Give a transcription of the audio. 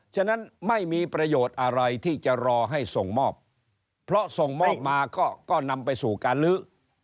ฉะนั้นไม่มีประโยชน์อะไรที่จะรอให้ส่งมอบเพราะส่งมอบมาก็นำไปสู่การลื้อ